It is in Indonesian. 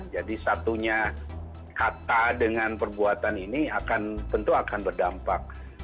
jadi satunya kata dengan perbuatan ini akan tentu akan berdampak